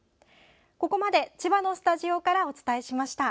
ここまで千葉のスタジオからお伝えしました。